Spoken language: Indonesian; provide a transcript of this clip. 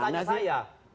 tidak ada masalah